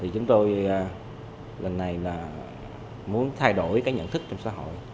chúng tôi lần này muốn thay đổi cái nhận thức trong xã hội